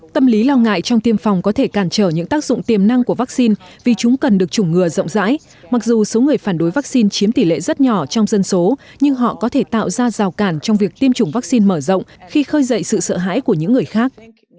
tâm lý lo ngại trong tiêm phòng có thể cản trở những tác dụng tiềm năng của vaccine vì chúng cần được chủng ngừa rộng rãi mặc dù số người phản đối vaccine chiếm tỷ lệ rất nhỏ trong dân số nhưng họ có thể tạo ra rào cản trong việc tiêm chủng vaccine mở rộng khi khơi dậy sự sợ hãi của những người khác